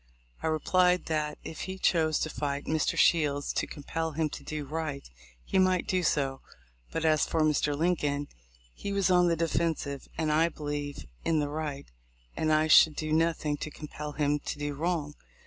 I replied, that, if he chose to fight Mr. Shields to compel him to do right, he might do so ; but as for Mr. Lincoln, he was on the defensive, and, I believe, in the right, and I should do nothing to compel him to do wrong.